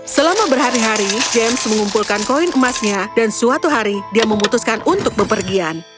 selama berhari hari james mengumpulkan koin emasnya dan suatu hari dia memutuskan untuk bepergian